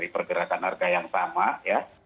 pergerakan harga yang sama ya